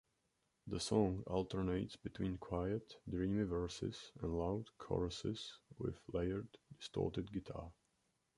The song alternates between quiet, dreamy verses and loud choruses with layered, distorted guitar.